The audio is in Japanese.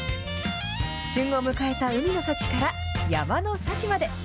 旬を迎えた海の幸から山の幸まで。